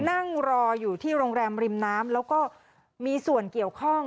นั่งรออยู่ที่โรงแรมริมน้ำแล้วก็มีส่วนเกี่ยวข้อง